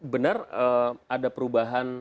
benar ada perubahan